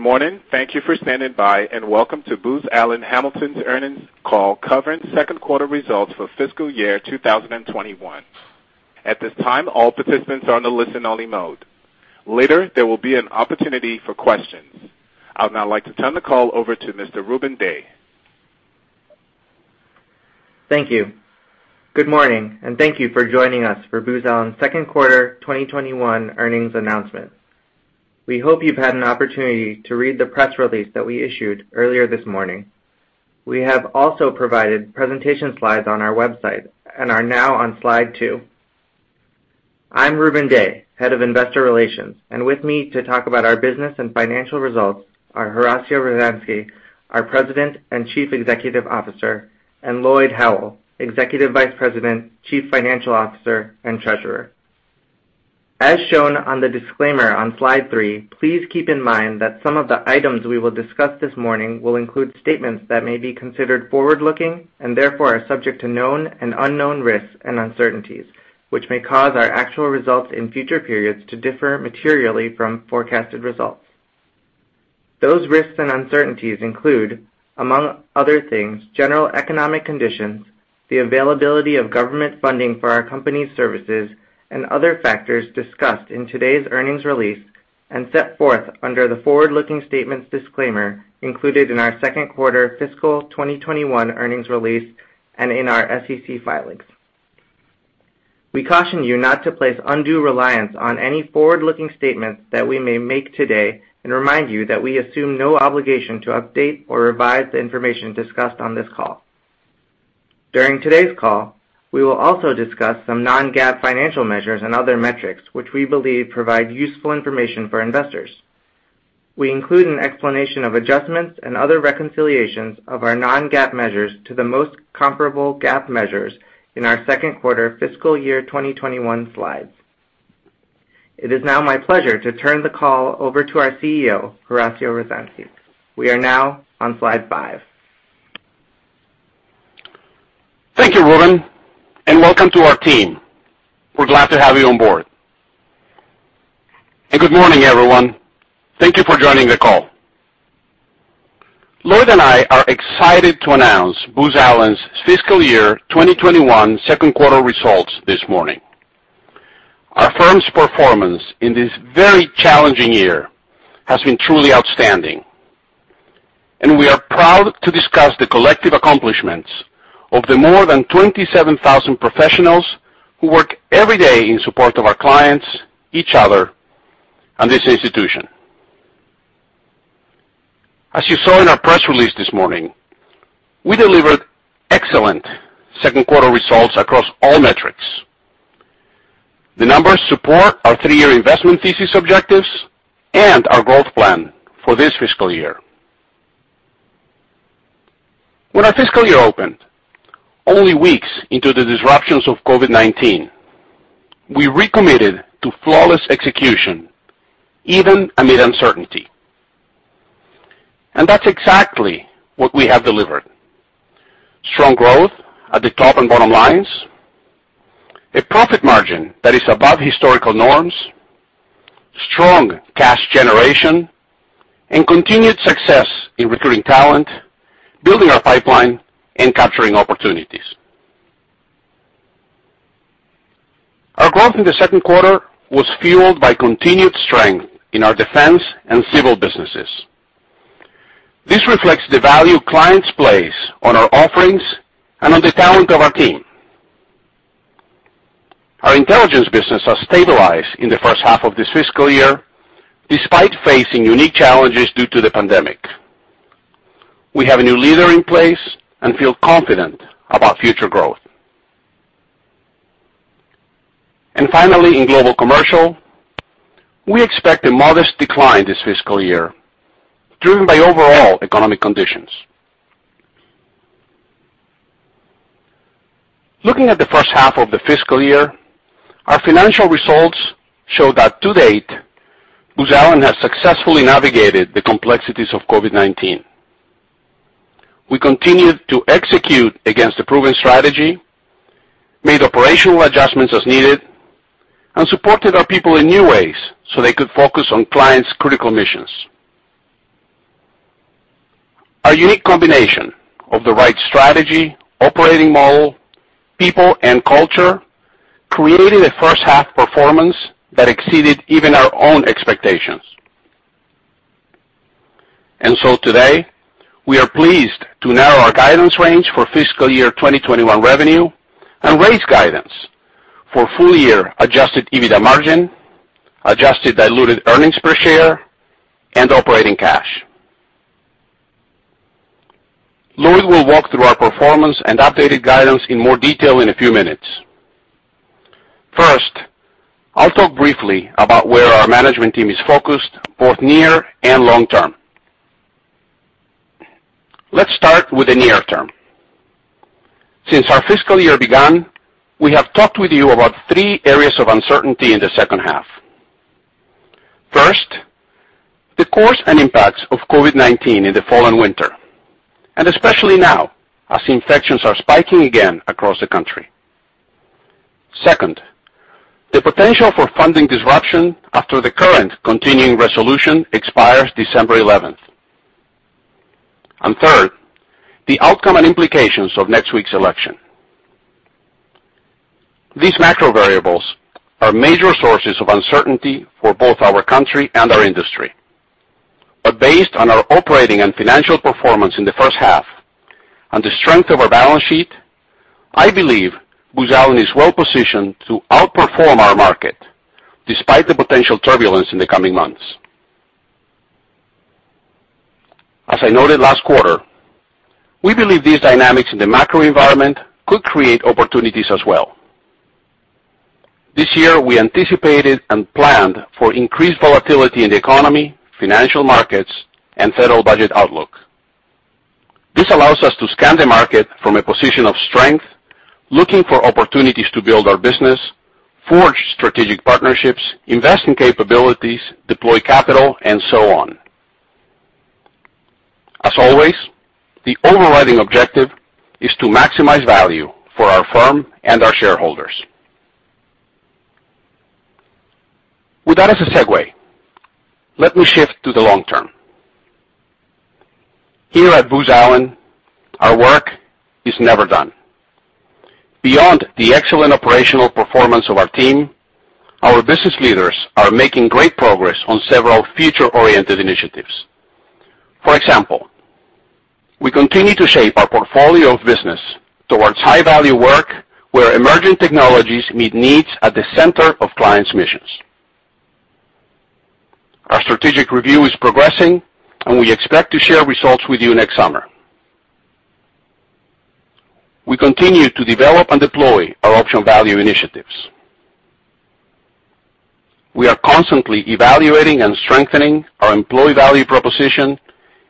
Good morning. Thank you for standing by, and welcome to Booz Allen Hamilton's earnings call covering second quarter results for fiscal year 2021. At this time, all participants are on the listen-only mode. Later, there will be an opportunity for questions. I would now like to turn the call over to Mr. Rubun Dey. Thank you. Good morning, and thank you for joining us for Booz Allen's second quarter 2021 earnings announcement. We hope you've had an opportunity to read the press release that we issued earlier this morning. We have also provided presentation slides on our website and are now on slide two. I'm Rubun Dey, head of Investor Relations, and with me to talk about our business and financial results are Horacio Rozanski, our President and Chief Executive Officer, and Lloyd Howell, Executive Vice President, Chief Financial Officer, and Treasurer. As shown on the disclaimer on slide three, please keep in mind that some of the items we will discuss this morning will include statements that may be considered forward-looking and therefore are subject to known and unknown risks and uncertainties, which may cause our actual results in future periods to differ materially from forecasted results. Those risks and uncertainties include, among other things, general economic conditions, the availability of government funding for our company's services, and other factors discussed in today's earnings release and set forth under the forward-looking statements disclaimer included in our second quarter fiscal 2021 earnings release and in our SEC filings. We caution you not to place undue reliance on any forward-looking statements that we may make today and remind you that we assume no obligation to update or revise the information discussed on this call. During today's call, we will also discuss some non-GAAP financial measures and other metrics which we believe provide useful information for investors. We include an explanation of adjustments and other reconciliations of our non-GAAP measures to the most comparable GAAP measures in our second quarter fiscal year 2021 slides. It is now my pleasure to turn the call over to our CEO, Horacio Rozanski. We are now on slide five. Thank you, Rubun, and welcome to our team. We're glad to have you on board. Good morning, everyone. Thank you for joining the call. Lloyd and I are excited to announce Booz Allen's fiscal year 2021 second quarter results this morning. Our firm's performance in this very challenging year has been truly outstanding, and we are proud to discuss the collective accomplishments of the more than 27,000 professionals who work every day in support of our clients, each other, and this institution. As you saw in our press release this morning, we delivered excellent second quarter results across all metrics. The numbers support our three-year investment thesis objectives and our growth plan for this fiscal year. When our fiscal year opened, only weeks into the disruptions of COVID-19, we recommitted to flawless execution, even amid uncertainty. That's exactly what we have delivered: strong growth at the top and bottom lines, a profit margin that is above historical norms, strong cash generation, and continued success in recruiting talent, building our pipeline, and capturing opportunities. Our growth in the second quarter was fueled by continued strength in our Defense and Civil businesses. This reflects the value clients place on our offerings and on the talent of our team. Our Intelligence business has stabilized in the first half of this fiscal year despite facing unique challenges due to the pandemic. We have a new leader in place and feel confident about future growth. Finally, in Global Commercial, we expect a modest decline this fiscal year, driven by overall economic conditions. Looking at the first half of the fiscal year, our financial results show that to date, Booz Allen has successfully navigated the complexities of COVID-19. We continued to execute against the proven strategy, made operational adjustments as needed, and supported our people in new ways so they could focus on clients' critical missions. Our unique combination of the right strategy, operating model, people, and culture created a first-half performance that exceeded even our own expectations, and so today, we are pleased to narrow our guidance range for fiscal year 2021 revenue and raise guidance for full-year Adjusted EBITDA margin, Adjusted Diluted Earnings Per Share, and operating cash. Lloyd will walk through our performance and updated guidance in more detail in a few minutes. First, I'll talk briefly about where our management team is focused both near and long term. Let's start with the near term. Since our fiscal year began, we have talked with you about three areas of uncertainty in the second half. First, the course and impacts of COVID-19 in the fall and winter, and especially now as infections are spiking again across the country. Second, the potential for funding disruption after the current continuing resolution expires December 11th. And third, the outcome and implications of next week's election. These macro variables are major sources of uncertainty for both our country and our industry. But based on our operating and financial performance in the first half and the strength of our balance sheet, I believe Booz Allen is well positioned to outperform our market despite the potential turbulence in the coming months. As I noted last quarter, we believe these dynamics in the macro environment could create opportunities as well. This year, we anticipated and planned for increased volatility in the economy, financial markets, and federal budget outlook. This allows us to scan the market from a position of strength, looking for opportunities to build our business, forge strategic partnerships, invest in capabilities, deploy capital, and so on. As always, the overriding objective is to maximize value for our firm and our shareholders. With that as a segue, let me shift to the long term. Here at Booz Allen, our work is never done. Beyond the excellent operational performance of our team, our business leaders are making great progress on several future-oriented initiatives. For example, we continue to shape our portfolio of business towards high-value work where emerging technologies meet needs at the center of clients' missions. Our strategic review is progressing, and we expect to share results with you next summer. We continue to develop and deploy our option value initiatives. We are constantly evaluating and strengthening our employee value proposition,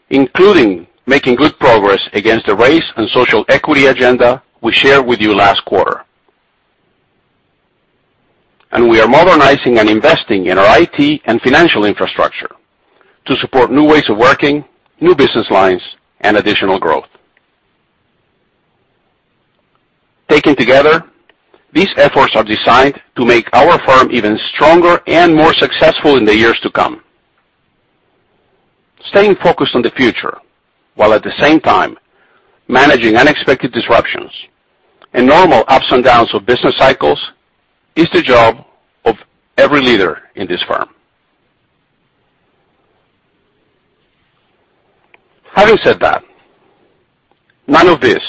including making good progress against the race and social equity agenda we shared with you last quarter. And we are modernizing and investing in our IT and financial infrastructure to support new ways of working, new business lines, and additional growth. Taken together, these efforts are designed to make our firm even stronger and more successful in the years to come. Staying focused on the future while at the same time managing unexpected disruptions and normal ups and downs of business cycles is the job of every leader in this firm. Having said that, none of this,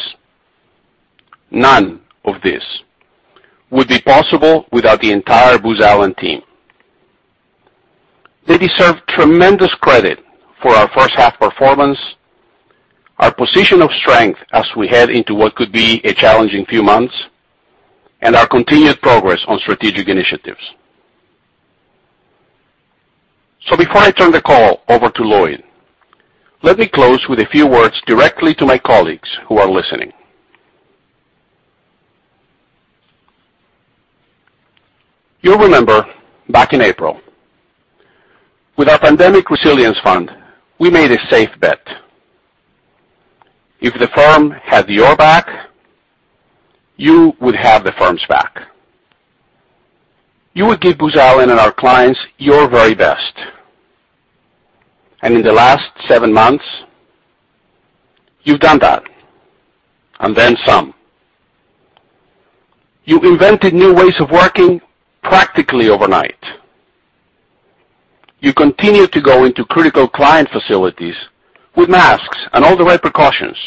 none of this would be possible without the entire Booz Allen team. They deserve tremendous credit for our first-half performance, our position of strength as we head into what could be a challenging few months, and our continued progress on strategic initiatives. So before I turn the call over to Lloyd, let me close with a few words directly to my colleagues who are listening. You'll remember back in April, with our Pandemic Resilience Fund, we made a safe bet. If the firm had your back, you would have the firm's back. You would give Booz Allen and our clients your very best. And in the last seven months, you've done that, and then some. You invented new ways of working practically overnight. You continued to go into critical client facilities with masks and all the right precautions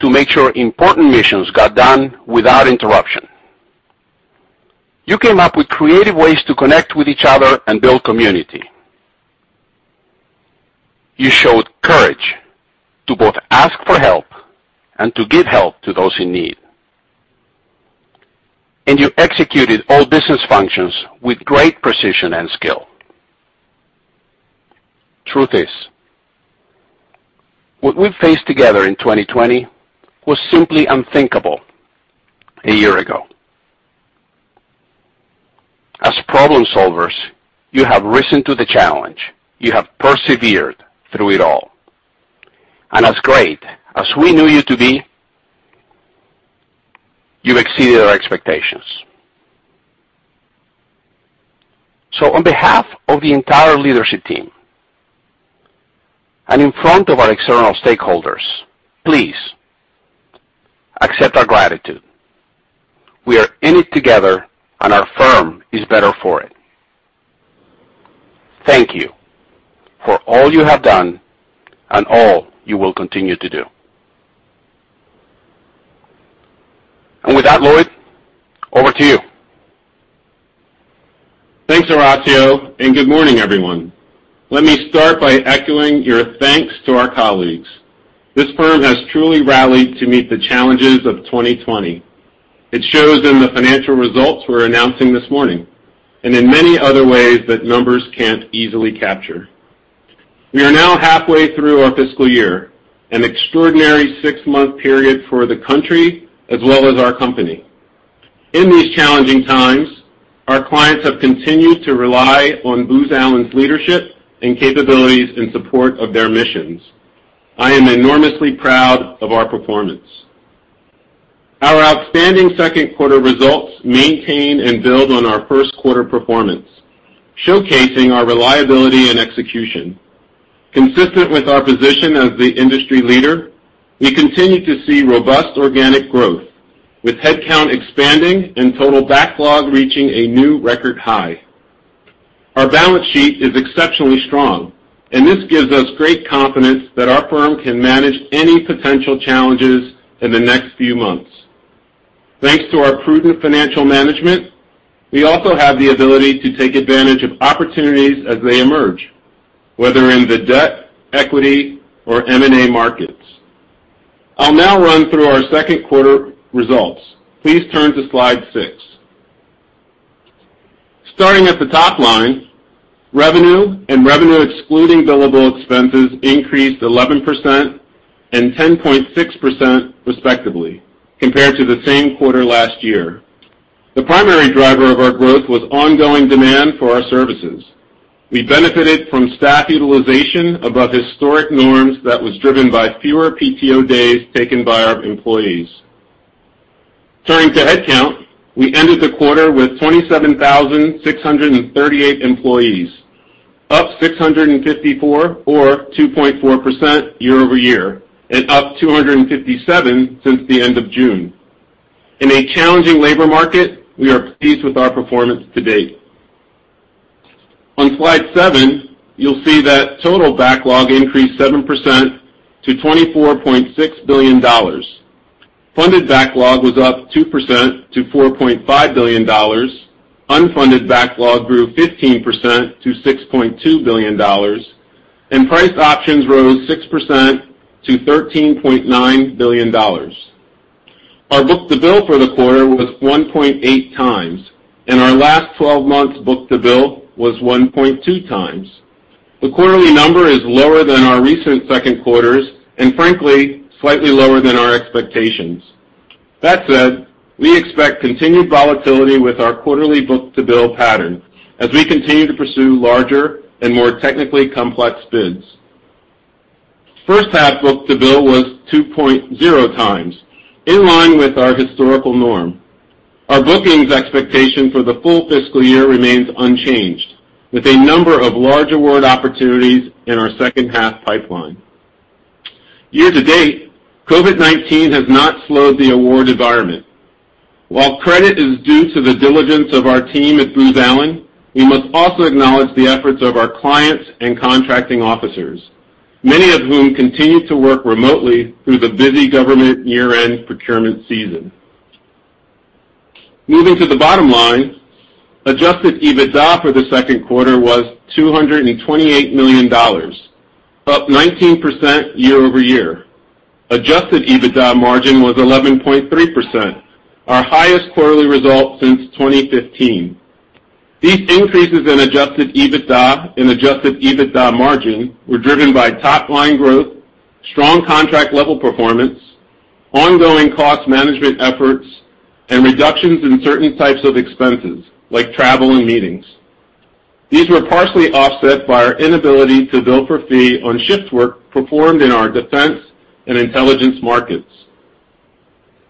to make sure important missions got done without interruption. You came up with creative ways to connect with each other and build community. You showed courage to both ask for help and to give help to those in need. And you executed all business functions with great precision and skill. Truth is, what we faced together in 2020 was simply unthinkable a year ago. As problem solvers, you have risen to the challenge. You have persevered through it all. And as great as we knew you to be, you exceeded our expectations. So on behalf of the entire leadership team and in front of our external stakeholders, please accept our gratitude. We are in it together, and our firm is better for it. Thank you for all you have done and all you will continue to do. And with that, Lloyd, over to you. Thanks, Horacio, and good morning, everyone. Let me start by echoing your thanks to our colleagues. This firm has truly rallied to meet the challenges of 2020. It shows in the financial results we're announcing this morning and in many other ways that numbers can't easily capture. We are now halfway through our fiscal year, an extraordinary six-month period for the country as well as our company. In these challenging times, our clients have continued to rely on Booz Allen's leadership and capabilities in support of their missions. I am enormously proud of our performance. Our outstanding second quarter results maintain and build on our first quarter performance, showcasing our reliability and execution. Consistent with our position as the industry leader, we continue to see robust organic growth with headcount expanding and total backlog reaching a new record high. Our balance sheet is exceptionally strong, and this gives us great confidence that our firm can manage any potential challenges in the next few months. Thanks to our prudent financial management, we also have the ability to take advantage of opportunities as they emerge, whether in the debt, equity, or M&A markets. I'll now run through our second quarter results. Please turn to slide six. Starting at the top line, revenue and revenue excluding billable expenses increased 11% and 10.6% respectively compared to the same quarter last year. The primary driver of our growth was ongoing demand for our services. We benefited from staff utilization above historic norms that was driven by fewer PTO days taken by our employees. Turning to headcount, we ended the quarter with 27,638 employees, up 654 or 2.4% year-over-year and up 257 since the end of June. In a challenging labor market, we are pleased with our performance to date. On slide seven, you'll see that total backlog increased 7%-$24.6 billion. Funded backlog was up 2%-$4.5 billion. Unfunded backlog grew 15%-$6.2 billion, and priced options rose 6%-$13.9 billion. Our book-to-bill for the quarter was 1.8 times, and our last 12 months book-to-bill was 1.2 times. The quarterly number is lower than our recent second quarters and, frankly, slightly lower than our expectations. That said, we expect continued volatility with our quarterly book-to-bill pattern as we continue to pursue larger and more technically complex bids. First-half book-to-bill was 2.0x, in line with our historical norm. Our bookings expectation for the full fiscal year remains unchanged, with a number of large award opportunities in our second-half pipeline. Year to date, COVID-19 has not slowed the award environment. While credit is due to the diligence of our team at Booz Allen, we must also acknowledge the efforts of our clients and contracting officers, many of whom continue to work remotely through the busy government year-end procurement season. Moving to the bottom line, Adjusted EBITDA for the second quarter was $228 million, up 19% year-over-year. Adjusted EBITDA margin was 11.3%, our highest quarterly result since 2015. These increases in Adjusted EBITDA and Adjusted EBITDA margin were driven by top-line growth, strong contract-level performance, ongoing cost management efforts, and reductions in certain types of expenses like travel and meetings. These were partially offset by our inability to bill for fee on shift work performed in our Defense and Intelligence markets.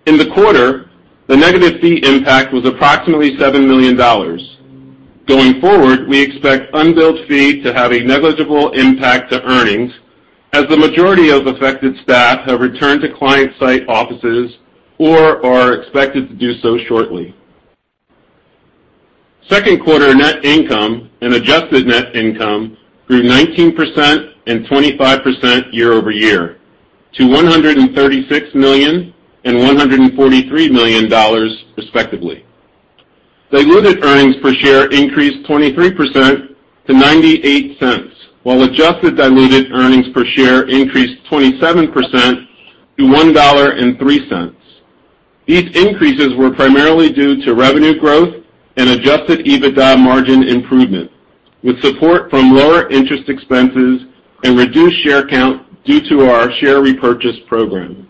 In the quarter, the negative fee impact was approximately $7 million. Going forward, we expect unbilled fee to have a negligible impact to earnings as the majority of affected staff have returned to client-site offices or are expected to do so shortly. Second quarter net income and adjusted net income grew 19% and 25% year-over-year to $136 million and $143 million, respectively. Diluted earnings per share increased 23%-$0.98, while adjusted diluted earnings per share increased 27%-$1.03. These increases were primarily due to revenue growth and Adjusted EBITDA margin improvement, with support from lower interest expenses and reduced share count due to our share repurchase program.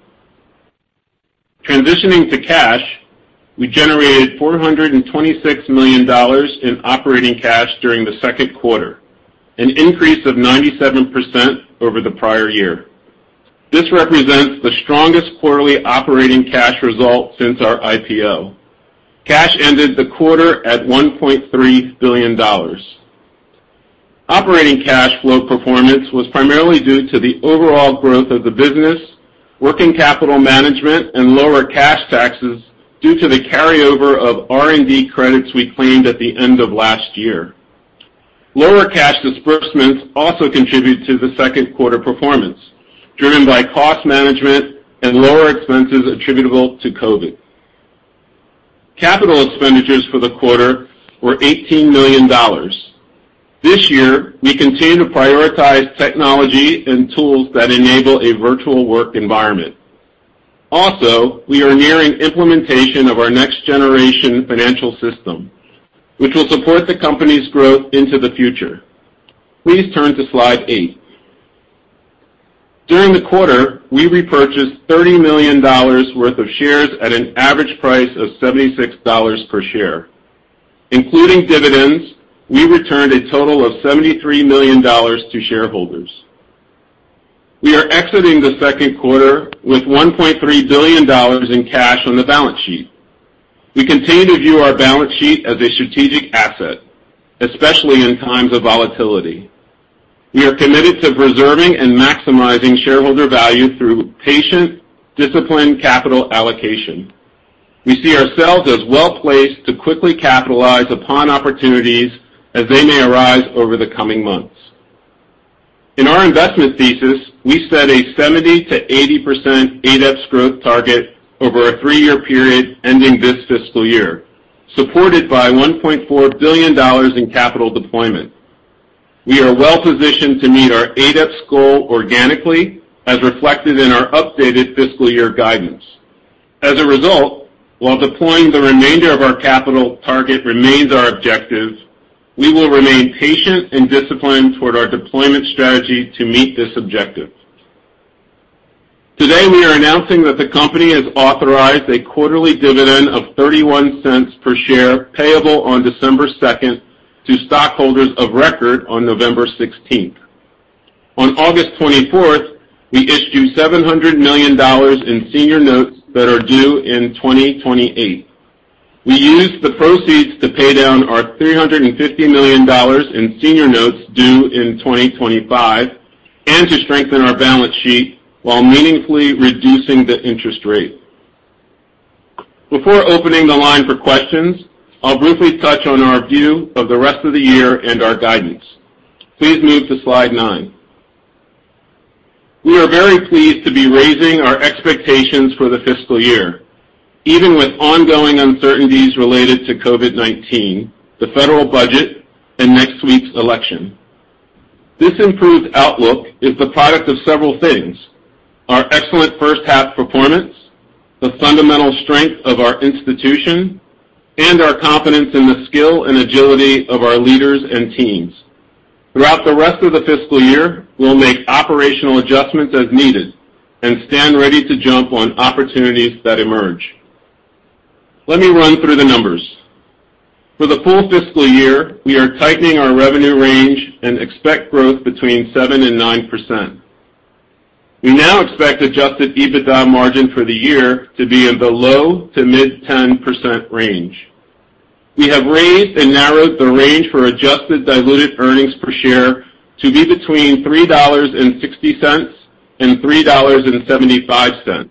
Transitioning to cash, we generated $426 million in operating cash during the second quarter, an increase of 97% over the prior year. This represents the strongest quarterly operating cash result since our IPO. Cash ended the quarter at $1.3 billion. Operating cash flow performance was primarily due to the overall growth of the business, working capital management, and lower cash taxes due to the carryover of R&D credits we claimed at the end of last year. Lower cash disbursements also contributed to the second quarter performance, driven by cost management and lower expenses attributable to COVID. Capital expenditures for the quarter were $18 million. This year, we continue to prioritize technology and tools that enable a virtual work environment. Also, we are nearing implementation of our next-generation financial system, which will support the company's growth into the future. Please turn to slide eight. During the quarter, we repurchased $30 million worth of shares at an average price of $76 per share. Including dividends, we returned a total of $73 million to shareholders. We are exiting the second quarter with $1.3 billion in cash on the balance sheet. We continue to view our balance sheet as a strategic asset, especially in times of volatility. We are committed to preserving and maximizing shareholder value through patient, disciplined capital allocation. We see ourselves as well-placed to quickly capitalize upon opportunities as they may arise over the coming months. In our investment thesis, we set a 70%-80% ADEPS growth target over a three-year period ending this fiscal year, supported by $1.4 billion in capital deployment. We are well-positioned to meet our ADEPS goal organically, as reflected in our updated fiscal year guidance. As a result, while deploying the remainder of our capital target remains our objective, we will remain patient and disciplined toward our deployment strategy to meet this objective. Today, we are announcing that the company has authorized a quarterly dividend of $0.31 per share payable on December 2nd to stockholders of record on November 16th. On August 24th, we issued $700 million in senior notes that are due in 2028. We used the proceeds to pay down our $350 million in senior notes due in 2025 and to strengthen our balance sheet while meaningfully reducing the interest rate. Before opening the line for questions, I'll briefly touch on our view of the rest of the year and our guidance. Please move to slide nine. We are very pleased to be raising our expectations for the fiscal year, even with ongoing uncertainties related to COVID-19, the federal budget, and next week's election. This improved outlook is the product of several things: our excellent first-half performance, the fundamental strength of our institution, and our confidence in the skill and agility of our leaders and teams. Throughout the rest of the fiscal year, we'll make operational adjustments as needed and stand ready to jump on opportunities that emerge. Let me run through the numbers. For the full fiscal year, we are tightening our revenue range and expect growth between 7% and 9%. We now expect Adjusted EBITDA margin for the year to be in the low to mid-10% range. We have raised and narrowed the range for Adjusted Diluted Earnings Per Share to be between $3.60 and $3.75.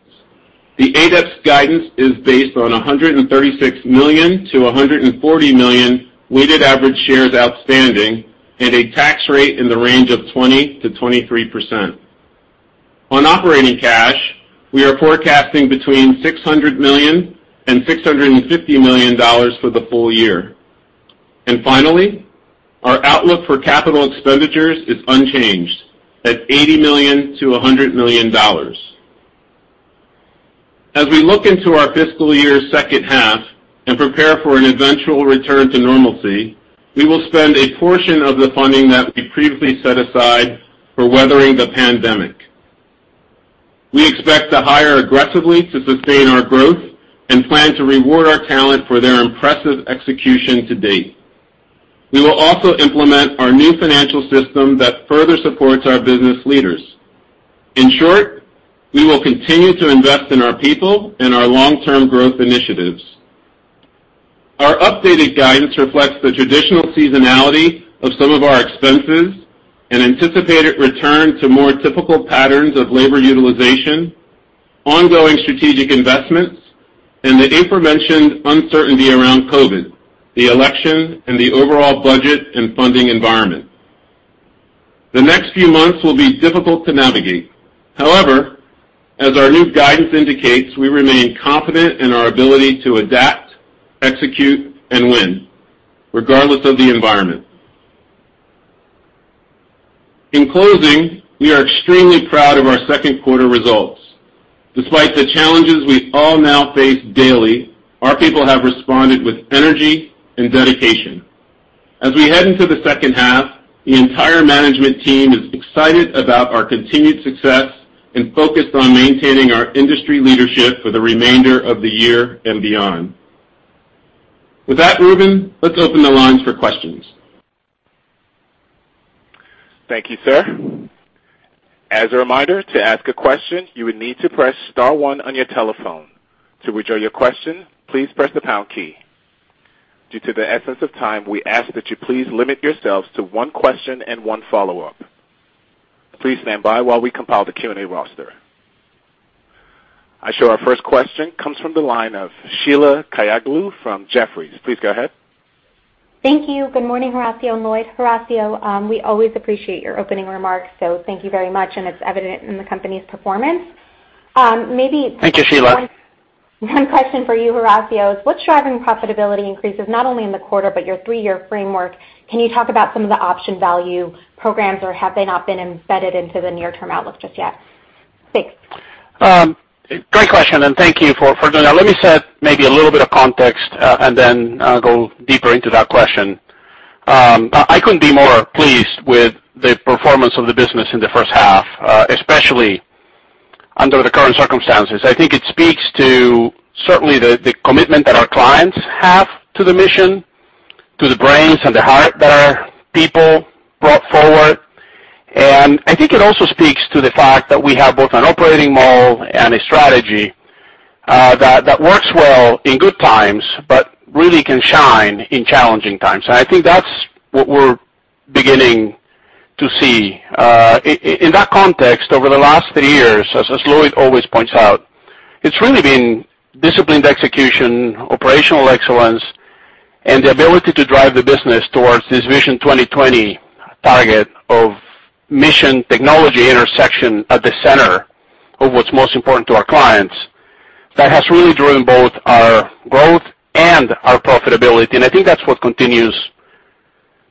The ADEPS guidance is based on 136 million-140 million weighted average shares outstanding and a tax rate in the range of 20%-23%. On operating cash, we are forecasting between $600 million and $650 million for the full year. And finally, our outlook for capital expenditures is unchanged at $80 million-$100 million. As we look into our fiscal year's second half and prepare for an eventual return to normalcy, we will spend a portion of the funding that we previously set aside for weathering the pandemic. We expect to hire aggressively to sustain our growth and plan to reward our talent for their impressive execution to date. We will also implement our new financial system that further supports our business leaders. In short, we will continue to invest in our people and our long-term growth initiatives. Our updated guidance reflects the traditional seasonality of some of our expenses and anticipated return to more typical patterns of labor utilization, ongoing strategic investments, and the aforementioned uncertainty around COVID, the election, and the overall budget and funding environment. The next few months will be difficult to navigate. However, as our new guidance indicates, we remain confident in our ability to adapt, execute, and win, regardless of the environment. In closing, we are extremely proud of our second quarter results. Despite the challenges we all now face daily, our people have responded with energy and dedication. As we head into the second half, the entire management team is excited about our continued success and focused on maintaining our industry leadership for the remainder of the year and beyond. With that, Rubun, let's open the lines for questions. Thank you, sir. As a reminder, to ask a question, you would need to press star one on your telephone. To withdraw your question, please press the pound key. Due to the essence of time, we ask that you please limit yourselves to one question and one follow-up. Please stand by while we compile the Q&A roster. I show our first question comes from the line of Sheila Kahyaoglu from Jefferies. Please go ahead. Thank you. Good morning, Horacio and Lloyd. Horacio, we always appreciate your opening remarks, so thank you very much, and it's evident in the company's performance. Maybe. Thank you, Sheila. One question for you, Horacio, is what's driving profitability increases not only in the quarter but your three-year framework? Can you talk about some of the option value programs, or have they not been embedded into the near-term outlook just yet? Thanks. Great question, and thank you for doing that. Let me set maybe a little bit of context and then go deeper into that question. I couldn't be more pleased with the performance of the business in the first half, especially under the current circumstances. I think it speaks to certainly the commitment that our clients have to the mission, to the brains and the heart that our people brought forward. And I think it also speaks to the fact that we have both an operating model and a strategy that works well in good times but really can shine in challenging times, and I think that's what we're beginning to see. In that context, over the last three years, as Lloyd always points out, it's really been disciplined execution, operational excellence, and the ability to drive the business towards this Vision 2020 target of mission technology intersection at the center of what's most important to our clients that has really driven both our growth and our profitability. And I think that's what continues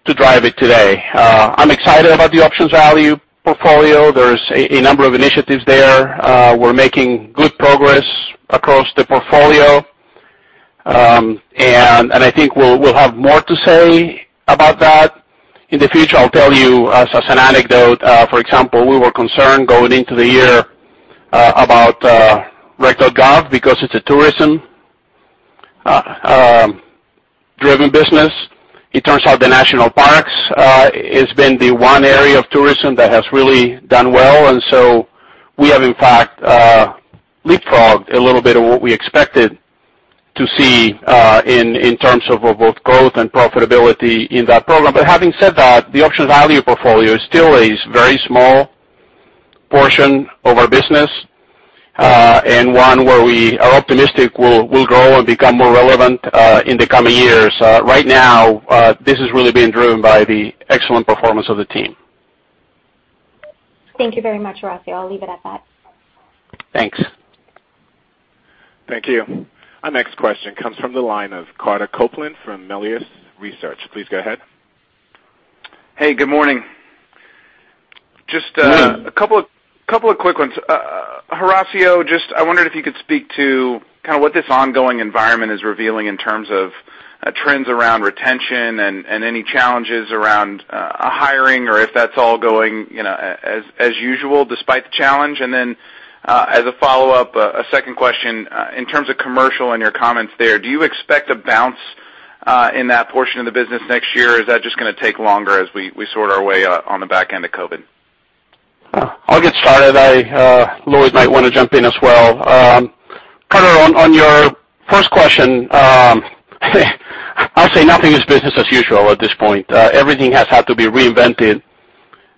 to drive it today. I'm excited about the Option Value portfolio. There's a number of initiatives there. We're making good progress across the portfolio, and I think we'll have more to say about that. In the future, I'll tell you as an anecdote. For example, we were concerned going into the year about Rec.gov because it's a tourism-driven business. It turns out the national parks has been the one area of tourism that has really done well. And so we have, in fact, leapfrogged a little bit of what we expected to see in terms of both growth and profitability in that program. But having said that, the Options Value portfolio is still a very small portion of our business and one where we are optimistic will grow and become more relevant in the coming years. Right now, this has really been driven by the excellent performance of the team. Thank you very much, Horacio. I'll leave it at that. Thanks. Thank you. Our next question comes from the line of Carter Copeland from Melius Research. Please go ahead. Hey, good morning. Just a couple of quick ones. Horacio, just I wondered if you could speak to kind of what this ongoing environment is revealing in terms of trends around retention and any challenges around hiring or if that's all going as usual despite the challenge, and then as a follow-up, a second question in terms of commercial and your comments there. Do you expect a bounce in that portion of the business next year, or is that just going to take longer as we sort our way out on the back end of COVID? I'll get started. Lloyd might want to jump in as well. Carter, on your first question, I'll say nothing is business as usual at this point. Everything has had to be reinvented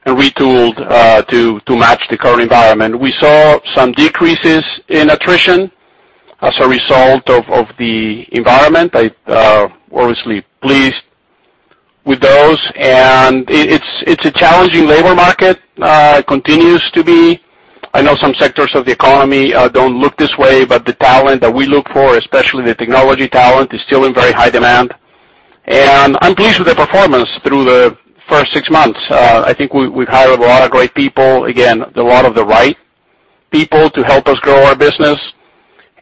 and retooled to match the current environment. We saw some decreases in attrition as a result of the environment. I'm obviously pleased with those, and it's a challenging labor market. It continues to be. I know some sectors of the economy don't look this way, but the talent that we look for, especially the technology talent, is still in very high demand, and I'm pleased with the performance through the first six months. I think we've hired a lot of great people, again, a lot of the right people to help us grow our business,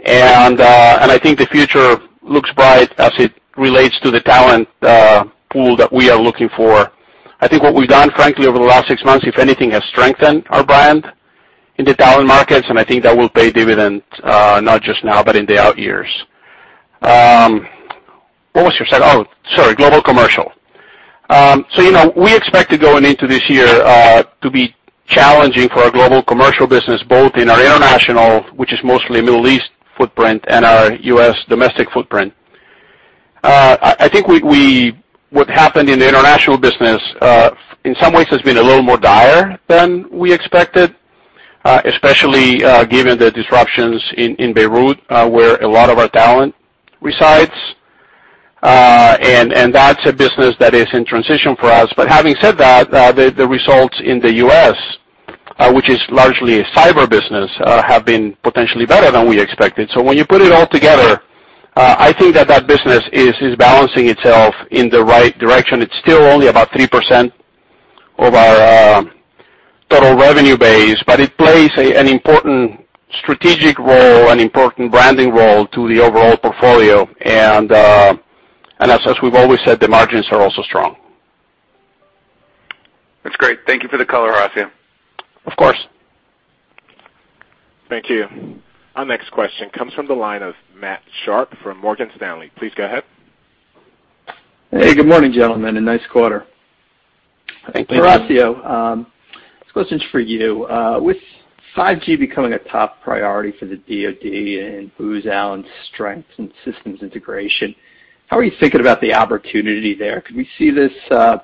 and I think the future looks bright as it relates to the talent pool that we are looking for. I think what we've done, frankly, over the last six months, if anything, has strengthened our brand in the talent markets, and I think that will pay dividends not just now, but in the out years. What was your second? Oh, sorry, global commercial. So we expect to go into this year to be challenging for our global commercial business, both in our international, which is mostly Middle East footprint, and our U.S. domestic footprint. I think what happened in the international business, in some ways, has been a little more dire than we expected, especially given the disruptions in Beirut where a lot of our talent resides. And that's a business that is in transition for us. But having said that, the results in the U.S., which is largely a cyber business, have been potentially better than we expected. When you put it all together, I think that that business is balancing itself in the right direction. It's still only about 3% of our total revenue base, but it plays an important strategic role, an important branding role to the overall portfolio. As we've always said, the margins are also strong. That's great. Thank you for the color, Horacio. Of course. Thank you. Our next question comes from the line of Matt Sharpe from Morgan Stanley. Please go ahead. Hey, good morning, gentlemen, and nice quarter. Thank you. Horacio, this question's for you. With 5G becoming a top priority for the DoD and Booz Allen's strengths in systems integration, how are you thinking about the opportunity there? Can we see this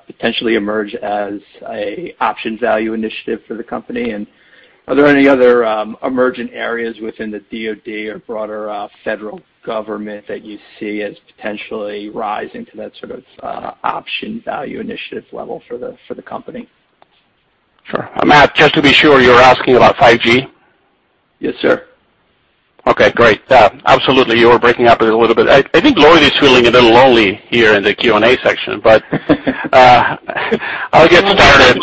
potentially emerge as an option value initiative for the company? And are there any other emergent areas within the DoD or broader federal government that you see as potentially rising to that sort of option value initiative level for the company? Sure. Matt, just to be sure, you're asking about 5G? Yes, sir. Okay. Great. Absolutely. You were breaking up a little bit. I think Lloyd is feeling a little lonely here in the Q&A section, but I'll get started.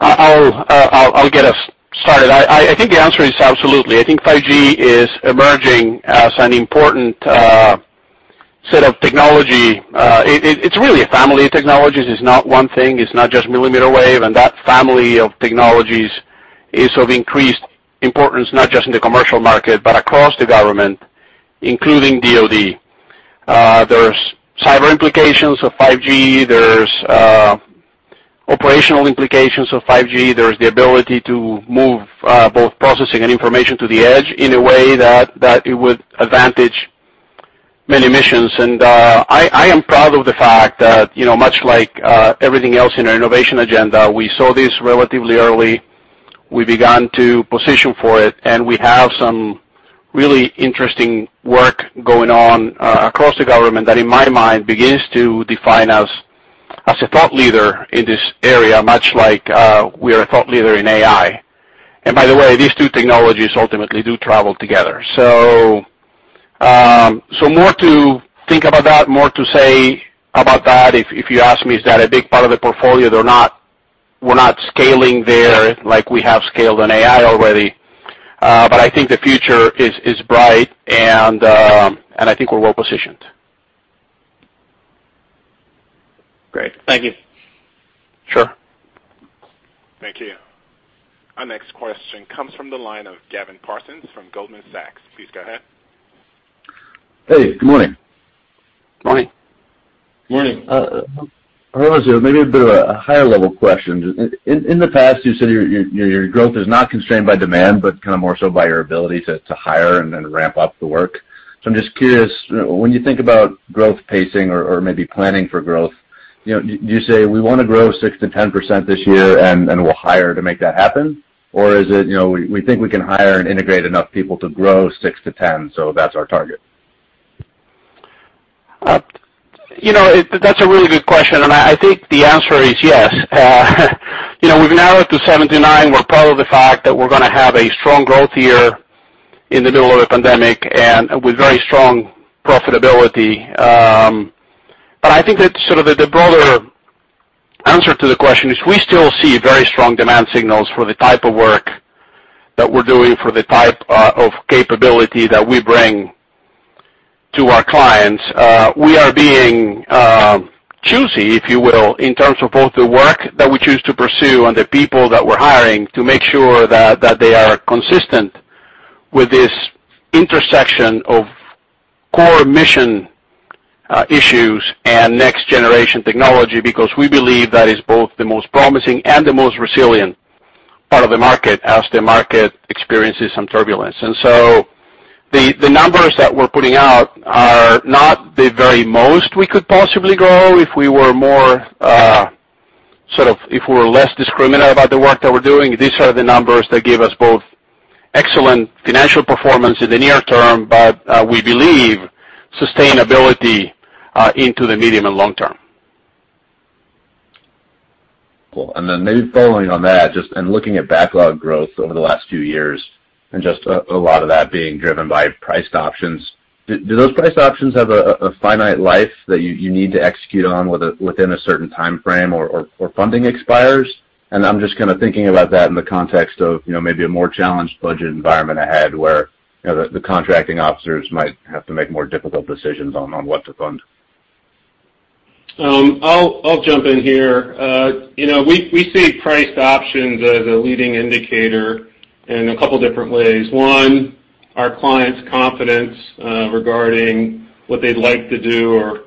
I'll get us started. I think the answer is absolutely. I think 5G is emerging as an important set of technology. It's really a family of technologies. It's not one thing. It's not just millimeter wave. And that family of technologies is of increased importance not just in the commercial market but across the government, including DOD. There's cyber implications of 5G. There's operational implications of 5G. There's the ability to move both processing and information to the edge in a way that it would advantage many missions. And I am proud of the fact that, much like everything else in our innovation agenda, we saw this relatively early. We began to position for it, and we have some really interesting work going on across the government that, in my mind, begins to define us as a thought leader in this area, much like we are a thought leader in AI, and by the way, these two technologies ultimately do travel together, so more to think about that, more to say about that. If you ask me, is that a big part of the portfolio? We're not scaling there like we have scaled on AI already, but I think the future is bright, and I think we're well positioned. Great. Thank you. Sure. Thank you. Our next question comes from the line of Gavin Parsons from Goldman Sachs. Please go ahead. Hey, good morning. Morning. Morning. Horacio, maybe a bit of a higher-level question. In the past, you said your growth is not constrained by demand but kind of more so by your ability to hire and then ramp up the work. So I'm just curious, when you think about growth pacing or maybe planning for growth, do you say, "We want to grow 6%-10% this year, and we'll hire to make that happen"? Or is it, "We think we can hire and integrate enough people to grow 6%-10%, so that's our target"? That's a really good question, and I think the answer is yes. We've narrowed to 7-9. We're proud of the fact that we're going to have a strong growth year in the middle of a pandemic and with very strong profitability. But I think that sort of the broader answer to the question is we still see very strong demand signals for the type of work that we're doing, for the type of capability that we bring to our clients. We are being choosy, if you will, in terms of both the work that we choose to pursue and the people that we're hiring to make sure that they are consistent with this intersection of core mission issues and next-generation technology because we believe that is both the most promising and the most resilient part of the market as the market experiences some turbulence. The numbers that we're putting out are not the very most we could possibly grow. If we were less discriminating about the work that we're doing, these are the numbers that give us both excellent financial performance in the near term, but we believe sustainability into the medium and long term. Cool. And then maybe following on that, just in looking at backlog growth over the last few years and just a lot of that being driven by priced options, do those priced options have a finite life that you need to execute on within a certain time frame or funding expires? And I'm just kind of thinking about that in the context of maybe a more challenged budget environment ahead where the contracting officers might have to make more difficult decisions on what to fund. I'll jump in here. We see priced options as a leading indicator in a couple of different ways. One, our clients' confidence regarding what they'd like to do or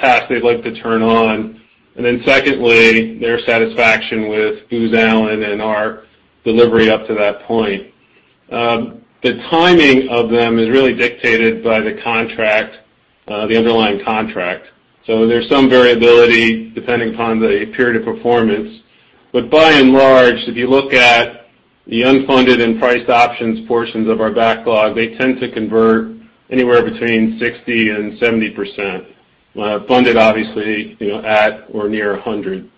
tasks they'd like to turn on. And then secondly, their satisfaction with Booz Allen and our delivery up to that point. The timing of them is really dictated by the contract, the underlying contract. So there's some variability depending upon the period of performance. But by and large, if you look at the unfunded and priced options portions of our backlog, they tend to convert anywhere between 60%-70%, funded obviously at or near 100%.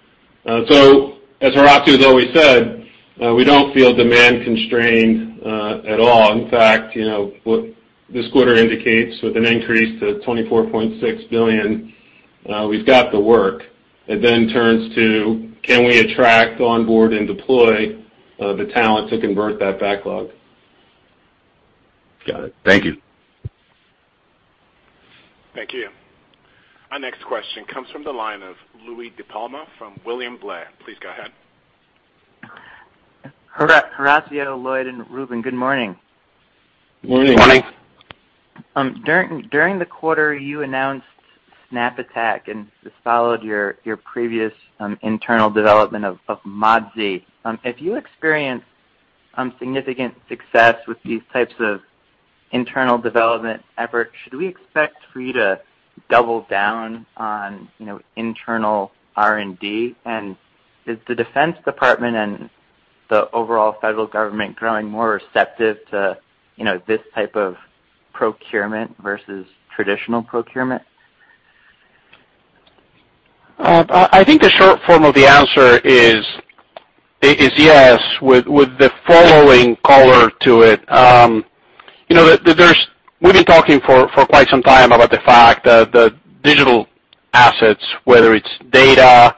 So as Horacio has always said, we don't feel demand constrained at all. In fact, what this quarter indicates with an increase to $24.6 billion, we've got the work. It then turns to, can we attract, onboard, and deploy the talent to convert that backlog? Got it. Thank you. Thank you. Our next question comes from the line of Louie DiPalma from William Blair. Please go ahead. Horacio, Lloyd, and Rubun. Good morning. Good morning. During the quarter, you announced SnapAttack, and this followed your previous internal development of Modzy. If you experience significant success with these types of internal development efforts, should we expect for you to double down on internal R&D? And is the Defense Department and the overall federal government growing more receptive to this type of procurement versus traditional procurement? I think the short form of the answer is yes with the following color to it. We've been talking for quite some time about the fact that digital assets, whether it's data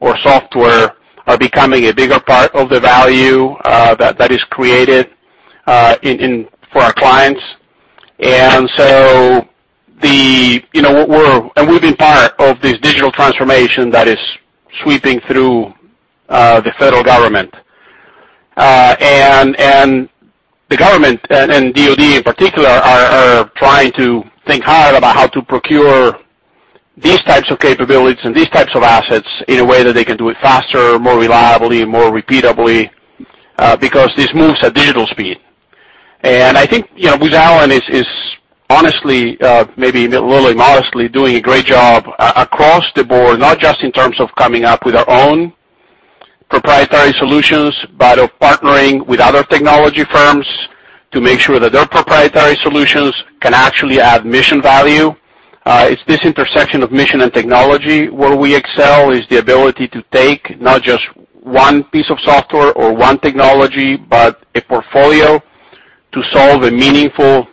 or software, are becoming a bigger part of the value that is created for our clients. And so we've been part of this digital transformation that is sweeping through the federal government. And the government and DoD in particular are trying to think hard about how to procure these types of capabilities and these types of assets in a way that they can do it faster, more reliably, more repeatably because this moves at digital speed. I think Booz Allen is honestly, maybe a little immodestly, doing a great job across the board, not just in terms of coming up with our own proprietary solutions, but of partnering with other technology firms to make sure that their proprietary solutions can actually add mission value. It's this intersection of mission and technology where we excel, is the ability to take not just one piece of software or one technology but a portfolio to solve a meaningful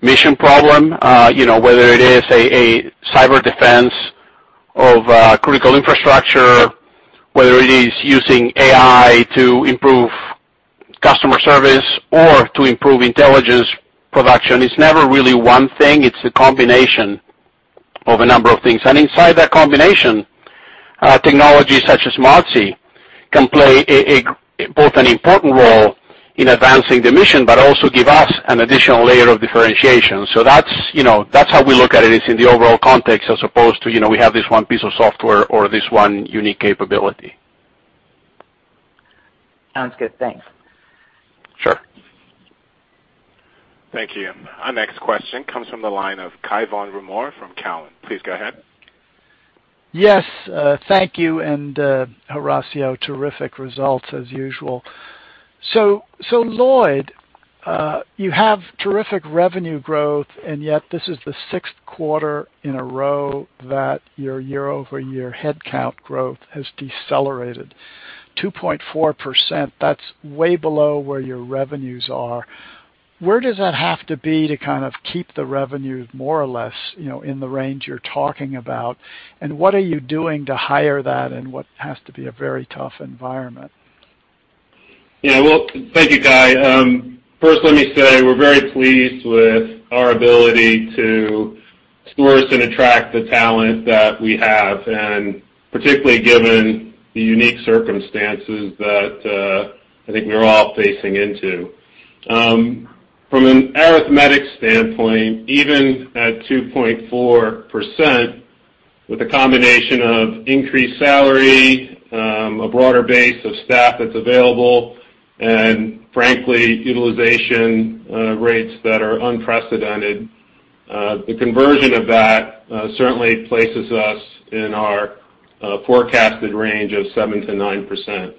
mission problem, whether it is a cyber defense of critical infrastructure, whether it is using AI to improve customer service or to improve Intelligence production. It's never really one thing. It's a combination of a number of things. Inside that combination, technology such as Modzy can play both an important role in advancing the mission but also give us an additional layer of differentiation. That's how we look at it. It's in the overall context as opposed to we have this one piece of software or this one unique capability. Sounds good. Thanks. Sure. Thank you. Our next question comes from the line of Cai von Rumohr from Cowen. Please go ahead. Yes. Thank you. And Horacio, terrific results as usual. So Lloyd, you have terrific revenue growth, and yet this is the sixth quarter in a row that your year-over-year headcount growth has decelerated 2.4%. That's way below where your revenues are. Where does that have to be to kind of keep the revenues more or less in the range you're talking about? And what are you doing to hire that in what has to be a very tough environment? Yeah. Well, thank you, Cai. First, let me say we're very pleased with our ability to source and attract the talent that we have, and particularly given the unique circumstances that I think we're all facing into. From an arithmetic standpoint, even at 2.4%, with a combination of increased salary, a broader base of staff that's available, and frankly, utilization rates that are unprecedented, the conversion of that certainly places us in our forecasted range of 7%-9%.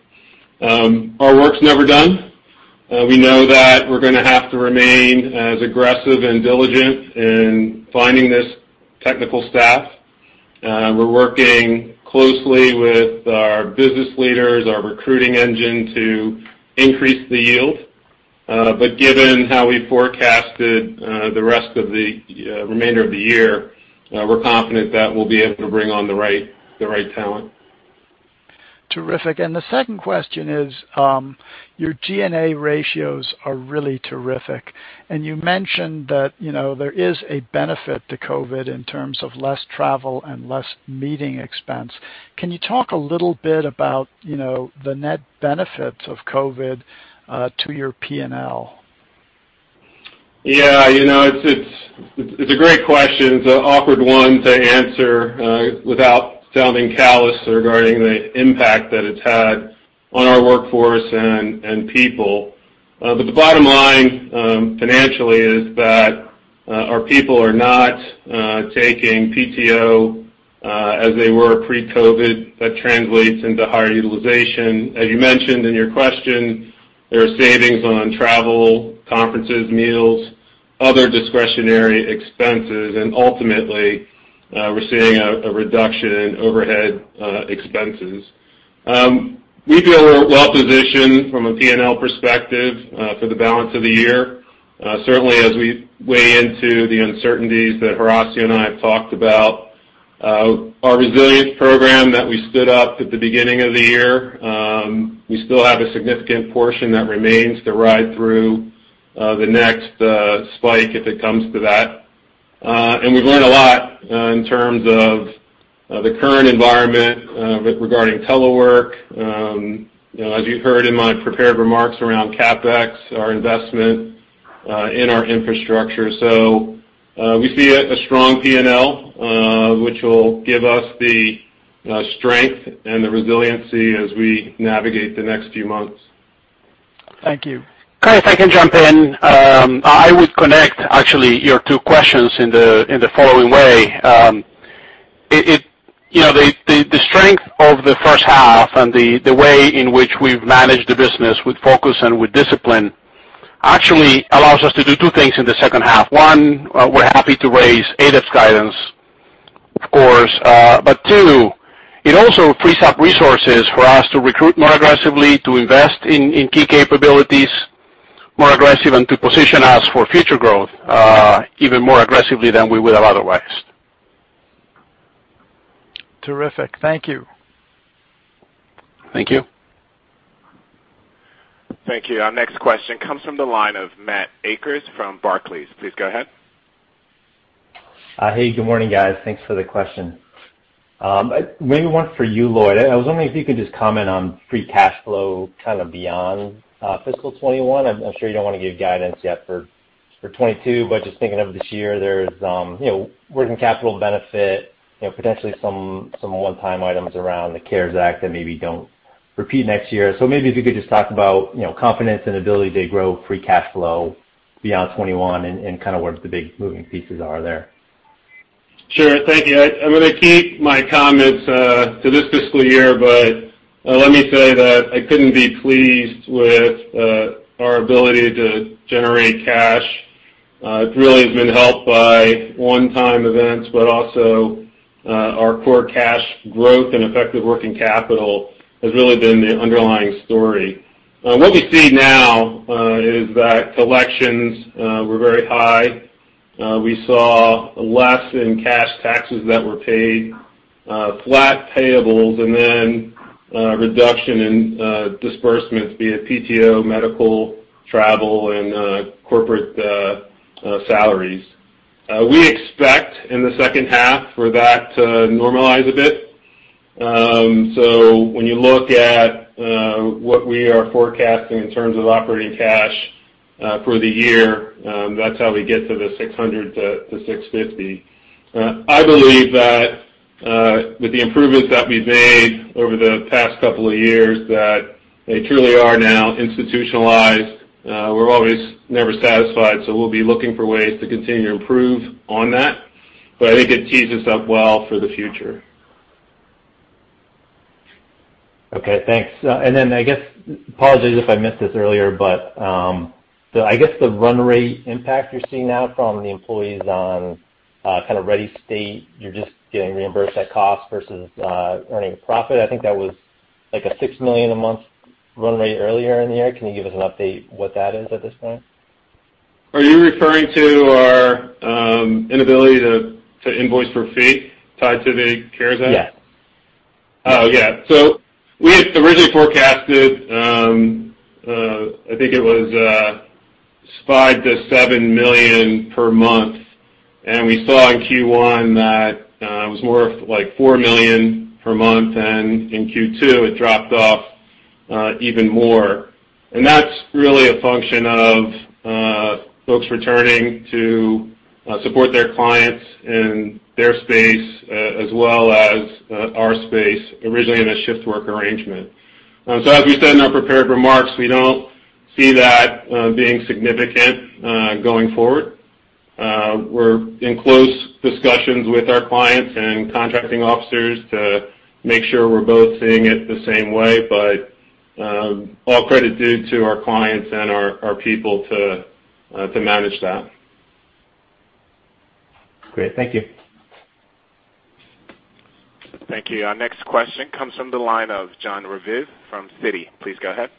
Our work's never done. We know that we're going to have to remain as aggressive and diligent in finding this technical staff. We're working closely with our business leaders, our recruiting engine to increase the yield. But given how we forecasted the rest of the remainder of the year, we're confident that we'll be able to bring on the right talent. Terrific. And the second question is your G&A ratios are really terrific. And you mentioned that there is a benefit to COVID in terms of less travel and less meeting expense. Can you talk a little bit about the net benefits of COVID to your P&L? Yeah. It's a great question. It's an awkward one to answer without sounding callous regarding the impact that it's had on our workforce and people. But the bottom line financially is that our people are not taking PTO as they were pre-COVID. That translates into higher utilization. As you mentioned in your question, there are savings on travel, conferences, meals, other discretionary expenses. And ultimately, we're seeing a reduction in overhead expenses. We feel we're well positioned from a P&L perspective for the balance of the year. Certainly, as we weigh into the uncertainties that Horacio and I have talked about, our resilience program that we stood up at the beginning of the year, we still have a significant portion that remains to ride through the next spike if it comes to that. And we've learned a lot in terms of the current environment regarding telework. As you heard in my prepared remarks around CapEx, our investment in our infrastructure, so we see a strong P&L, which will give us the strength and the resiliency as we navigate the next few months. Thank you. Guy, if I can jump in, I would connect actually your two questions in the following way. The strength of the first half and the way in which we've managed the business with focus and with discipline actually allows us to do two things in the second half. One, we're happy to raise ADEPS guidance, of course. But two, it also frees up resources for us to recruit more aggressively, to invest in key capabilities more aggressively, and to position us for future growth even more aggressively than we would have otherwise. Terrific. Thank you. Thank you. Thank you. Our next question comes from the line of Matt Akers from Barclays. Please go ahead. Hey, good morning, guys. Thanks for the question. Maybe one for you, Lloyd. I was wondering if you could just comment on free cash flow kind of beyond fiscal 2021. I'm sure you don't want to give guidance yet for 2022, but just thinking of this year, there's working capital benefit, potentially some one-time items around the CARES Act that maybe don't repeat next year. So maybe if you could just talk about confidence and ability to grow free cash flow beyond 2021 and kind of what the big moving pieces are there. Sure. Thank you. I'm going to keep my comments to this fiscal year, but let me say that I couldn't be pleased with our ability to generate cash. It really has been helped by one-time events, but also our core cash growth and effective working capital has really been the underlying story. What we see now is that collections were very high. We saw less in cash taxes that were paid, flat payables, and then a reduction in disbursements via PTO, medical, travel, and corporate salaries. We expect in the second half for that to normalize a bit. So when you look at what we are forecasting in terms of operating cash for the year, that's how we get to the $600 million-$650 million. I believe that with the improvements that we've made over the past couple of years, that they truly are now institutionalized. We're always never satisfied, so we'll be looking for ways to continue to improve on that. But I think it tees us up well for the future. Okay. Thanks, and then I guess apologies if I missed this earlier, but I guess the run rate impact you're seeing now from the employees on kind of ready state, you're just getting reimbursed at cost versus earning a profit. I think that was like a $6 million a month run rate earlier in the year. Can you give us an update what that is at this point? Are you referring to our inability to invoice for fee tied to the CARES Act? Yes. Oh, yeah. So we originally forecasted, I think it was $5 million-$7 million per month. And we saw in Q1 that it was more of like $4 million per month, and in Q2, it dropped off even more. And that's really a function of folks returning to support their clients in their space as well as our space, originally in a shift work arrangement. So as we said in our prepared remarks, we don't see that being significant going forward. We're in close discussions with our clients and contracting officers to make sure we're both seeing it the same way, but all credit due to our clients and our people to manage that. Great. Thank you. Thank you. Our next question comes from the line of Jon Raviv from Citi. Please go ahead.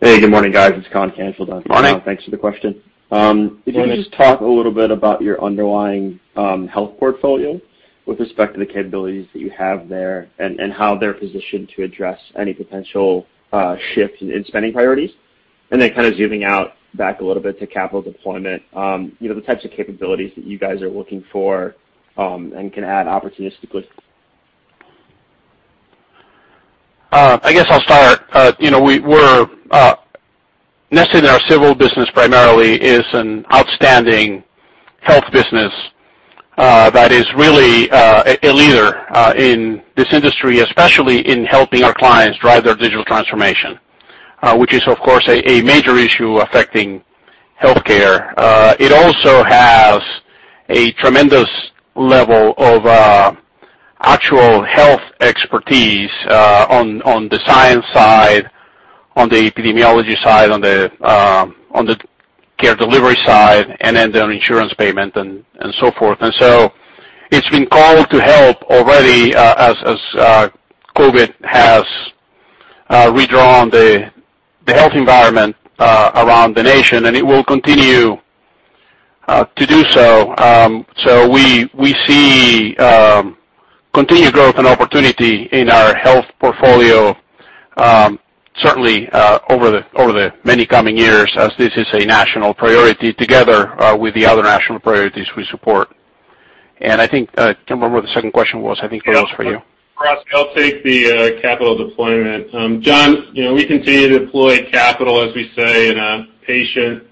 Hey, good morning, guys. It's Con Canceled on. Good morning. Thanks for the question. If you could just talk a little bit about your underlying health portfolio with respect to the capabilities that you have there and how they're positioned to address any potential shift in spending priorities. And then kind of zooming out back a little bit to capital deployment, the types of capabilities that you guys are looking for and can add opportunistically. I guess I'll start. We're invested in our Civil business primarily is an outstanding health business that is really a leader in this industry, especially in helping our clients drive their digital transformation, which is, of course, a major issue affecting healthcare. It also has a tremendous level of actual health expertise on the science side, on the epidemiology side, on the care delivery side, and then the insurance payment and so forth. And so it's been called to help already as COVID has redrawn the health environment around the nation, and it will continue to do so. So we see continued growth and opportunity in our health portfolio, certainly over the many coming years as this is a national priority together with the other national priorities we support. And I think I can't remember what the second question was. I think that was for you. Horacio, I'll take the capital deployment. John, we continue to deploy capital, as we say, in a patient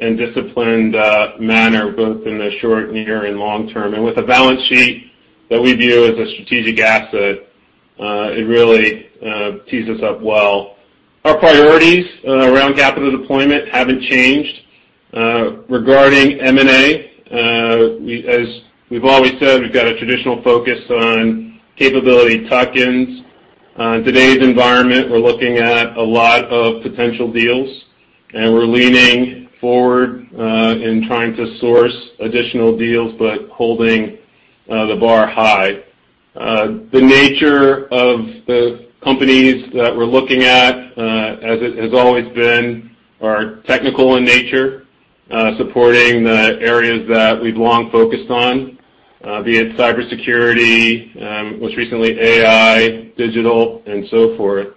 and disciplined manner, both in the short, near, and long term, and with a balance sheet that we view as a strategic asset, it really tees us up well. Our priorities around capital deployment haven't changed. Regarding M&A, as we've always said, we've got a traditional focus on capability tuck-ins. In today's environment, we're looking at a lot of potential deals, and we're leaning forward in trying to source additional deals but holding the bar high. The nature of the companies that we're looking at, as it has always been, are technical in nature, supporting the areas that we've long focused on, be it cybersecurity, most recently AI, digital, and so forth,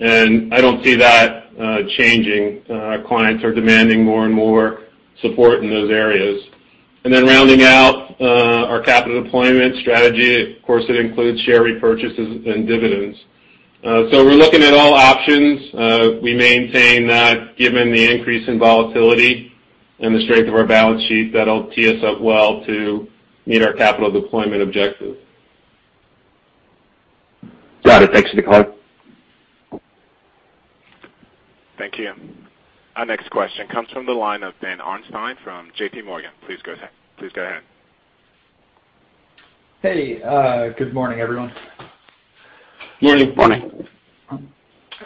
and I don't see that changing. Our clients are demanding more and more support in those areas. And then rounding out our capital deployment strategy, of course, it includes share repurchases and dividends. So we're looking at all options. We maintain that given the increase in volatility and the strength of our balance sheet that'll tee us up well to meet our capital deployment objective. Got it. Thanks for the call. Thank you. Our next question comes from the line of Dan Arnstein from JPMorgan. Please go ahead. Hey, good morning, everyone. Morning.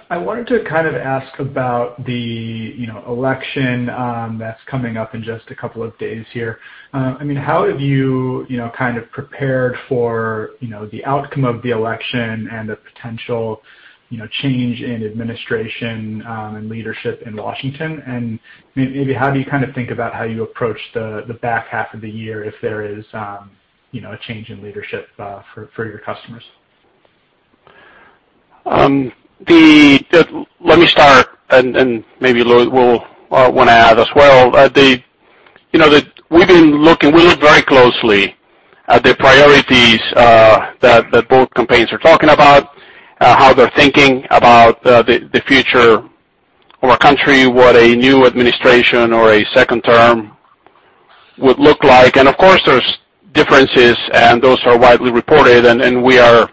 I wanted to kind of ask about the election that's coming up in just a couple of days here. I mean, how have you kind of prepared for the outcome of the election and the potential change in administration and leadership in Washington, and maybe how do you kind of think about how you approach the back half of the year if there is a change in leadership for your customers? Let me start, and maybe Lloyd will want to add as well. We've been looking very closely at the priorities that both campaigns are talking about, how they're thinking about the future of our country, what a new administration or a second term would look like. And of course, there's differences, and those are widely reported, and we are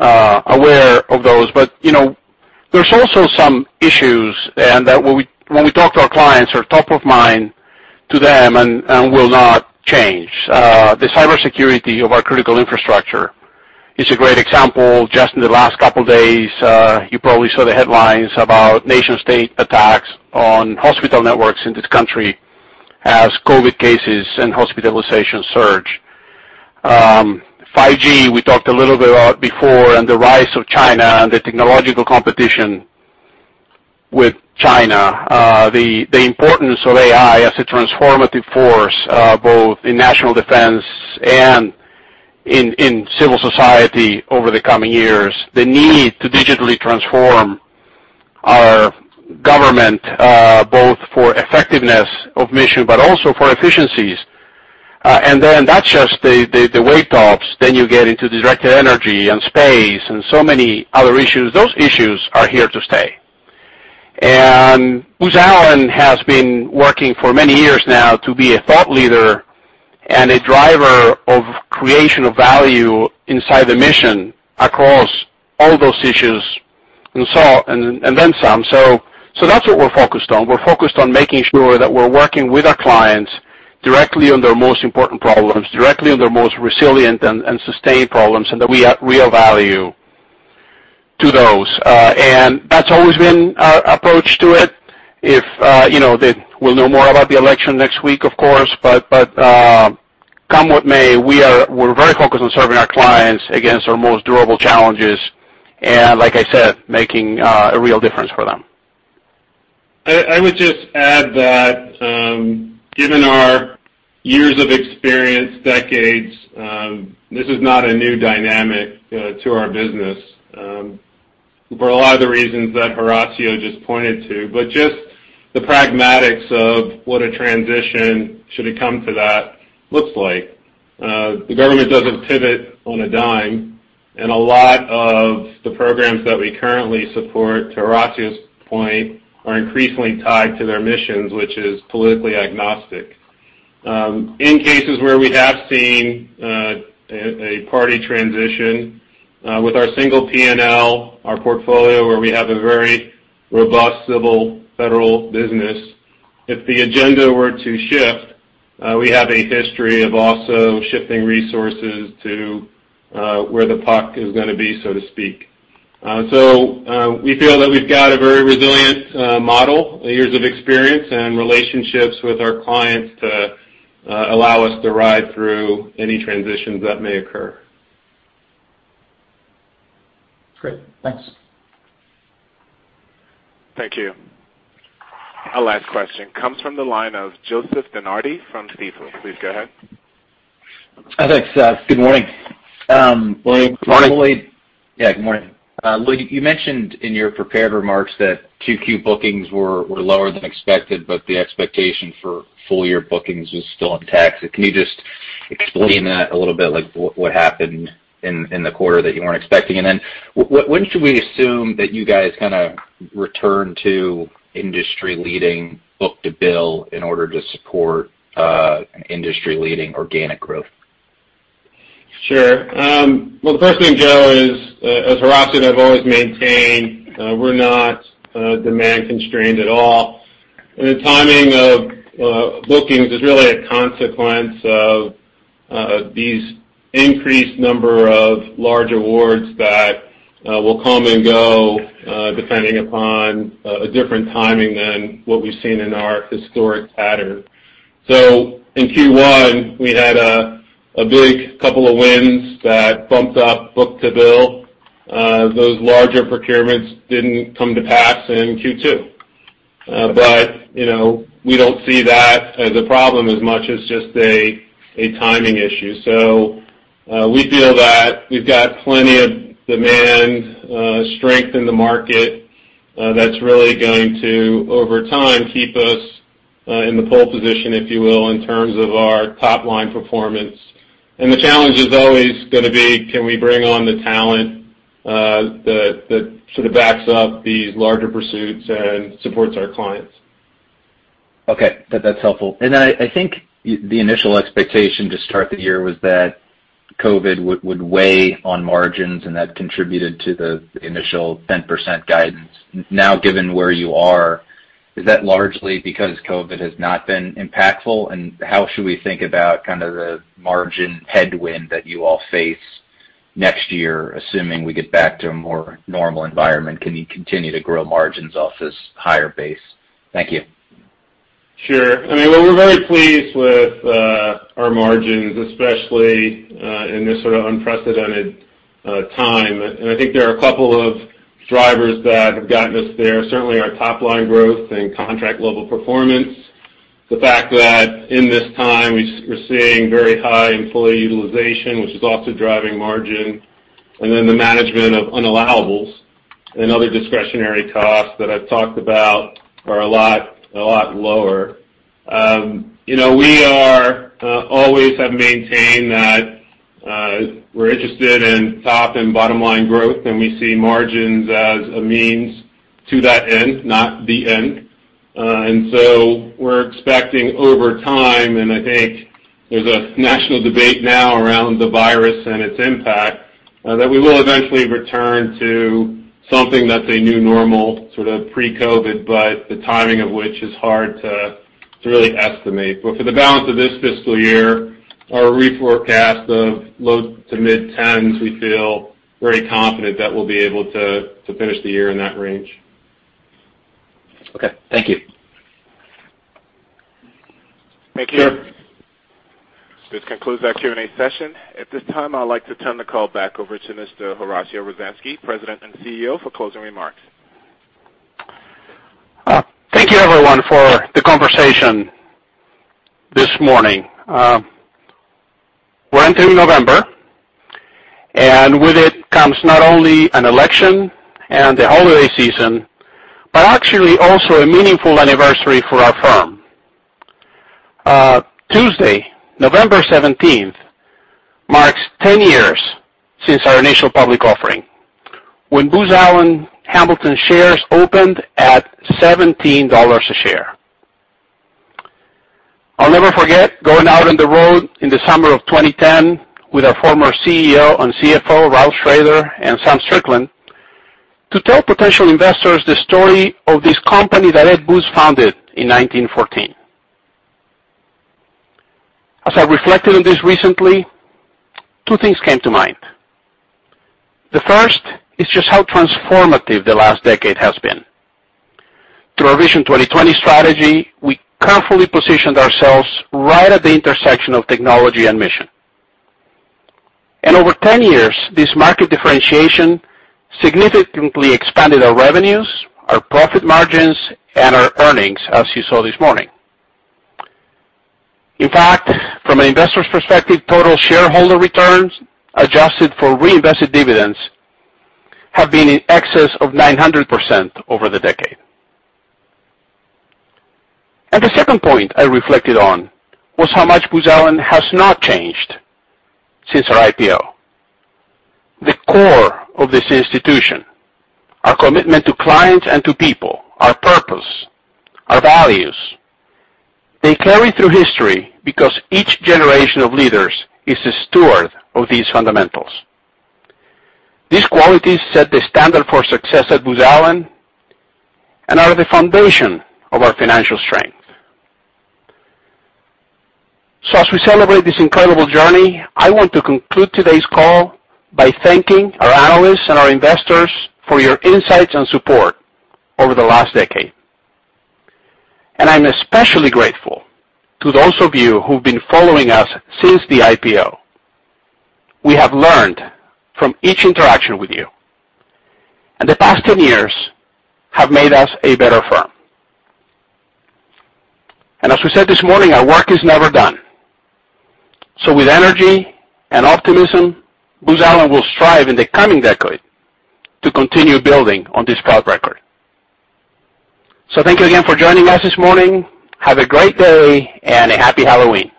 aware of those. But there's also some issues that when we talk to our clients, are top of mind to them and will not change. The cybersecurity of our critical infrastructure is a great example. Just in the last couple of days, you probably saw the headlines about nation-state attacks on hospital networks in this country as COVID cases and hospitalizations surge. 5G, we talked a little bit about before, and the rise of China and the technological competition with China, the importance of AI as a transformative force both in national defense and in civil society over the coming years, the need to digitally transform our government both for effectiveness of mission but also for efficiencies, and then that's just the way tops, then you get into the directed energy and space and so many other issues. Those issues are here to stay, and Booz Allen has been working for many years now to be a thought leader and a driver of creation of value inside the mission across all those issues and then some, so that's what we're focused on. We're focused on making sure that we're working with our clients directly on their most important problems, directly on their most resilient and sustained problems, and that we add real value to those, and that's always been our approach to it. If they will know more about the election next week, of course, but come what may, we're very focused on serving our clients against our most durable challenges and, like I said, making a real difference for them. I would just add that given our years of experience, decades, this is not a new dynamic to our business for a lot of the reasons that Horacio just pointed to, but just the pragmatics of what a transition, should it come to that, looks like. The government doesn't pivot on a dime, and a lot of the programs that we currently support, to Horacio's point, are increasingly tied to their missions, which is politically agnostic. In cases where we have seen a party transition with our single P&L, our portfolio, where we have a very robust Civil federal business, if the agenda were to shift, we have a history of also shifting resources to where the puck is going to be, so to speak. So we feel that we've got a very resilient model, years of experience, and relationships with our clients to allow us to ride through any transitions that may occur. Great. Thanks. Thank you. Our last question comes from the line of Joseph DeNardi from Stifel. Please go ahead. Hi, thanks, Seth. Good morning, Lloyd. Good morning. Yeah, good morning. Lloyd, you mentioned in your prepared remarks that QQ bookings were lower than expected, but the expectation for full-year bookings was still intact. Can you just explain that a little bit, like what happened in the quarter that you weren't expecting? And then when should we assume that you guys kind of return to industry-leading book-to-bill in order to support industry-leading organic growth? Sure. Well, the first thing, Joe, is, as Horacio and I have always maintained, we're not demand-constrained at all. And the timing of bookings is really a consequence of these increased number of large awards that will come and go depending upon a different timing than what we've seen in our historic pattern. So in Q1, we had a big couple of wins that bumped up book-to-bill. Those larger procurements didn't come to pass in Q2. But we don't see that as a problem as much as just a timing issue. So we feel that we've got plenty of demand, strength in the market that's really going to, over time, keep us in the pole position, if you will, in terms of our top-line performance. The challenge is always going to be, can we bring on the talent that sort of backs up these larger pursuits and supports our clients? Okay. That's helpful. And I think the initial expectation to start the year was that COVID would weigh on margins, and that contributed to the initial 10% guidance. Now, given where you are, is that largely because COVID has not been impactful? And how should we think about kind of the margin headwind that you all face next year, assuming we get back to a more normal environment? Can you continue to grow margins off this higher base? Thank you. Sure. I mean, we're very pleased with our margins, especially in this sort of unprecedented time. And I think there are a couple of drivers that have gotten us there. Certainly, our top-line growth and contract-level performance, the fact that in this time, we're seeing very high employee utilization, which is also driving margin, and then the management of unallowables and other discretionary costs that I've talked about are a lot lower. We always have maintained that we're interested in top and bottom-line growth, and we see margins as a means to that end, not the end, and so we're expecting over time, and I think there's a national debate now around the virus and its impact, that we will eventually return to something that's a new normal sort of pre-COVID, but the timing of which is hard to really estimate. But for the balance of this fiscal year, our reforecast of low to mid-10s, we feel very confident that we'll be able to finish the year in that range. Okay. Thank you. Thank you. This concludes our Q&A session. At this time, I'd like to turn the call back over to Mr. Horacio Rozanski, President and CEO, for closing remarks. Thank you, everyone, for the conversation this morning. We're entering November, and with it comes not only an election and the holiday season, but actually also a meaningful anniversary for our firm. Tuesday, November 17th, marks 10 years since our initial public offering when Booz Allen Hamilton shares opened at $17 a share. I'll never forget going out on the road in the summer of 2010 with our former CEO and CFO, Ralph Shrader, and Sam Strickland, to tell potential investors the story of this company that Ed Booz founded in 1914. As I reflected on this recently, two things came to mind. The first is just how transformative the last decade has been. Through our Vision 2020 strategy, we carefully positioned ourselves right at the intersection of technology and mission. Over 10 years, this market differentiation significantly expanded our revenues, our profit margins, and our earnings, as you saw this morning. In fact, from an investor's perspective, total shareholder returns adjusted for reinvested dividends have been in excess of 900% over the decade. The second point I reflected on was how much Booz Allen has not changed since our IPO. The core of this institution, our commitment to clients and to people, our purpose, our values, they carry through history because each generation of leaders is a steward of these fundamentals. These qualities set the standard for success at Booz Allen and are the foundation of our financial strength. As we celebrate this incredible journey, I want to conclude today's call by thanking our analysts and our investors for your insights and support over the last decade. I'm especially grateful to those of you who've been following us since the IPO. We have learned from each interaction with you, and the past 10 years have made us a better firm. As we said this morning, our work is never done. With energy and optimism, Booz Allen will strive in the coming decade to continue building on this proud record. Thank you again for joining us this morning. Have a great day and a happy Halloween.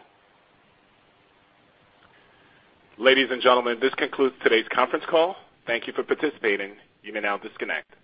Ladies and gentlemen, this concludes today's conference call. Thank you for participating. You may now disconnect.